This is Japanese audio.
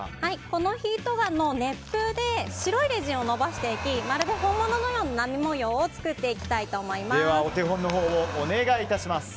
このヒートガンの熱風で白いレジンを延ばしていきまるで本物のような波模様をお手本をお願いします。